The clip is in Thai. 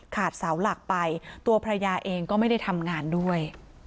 เสาหลักไปตัวภรรยาเองก็ไม่ได้ทำงานด้วย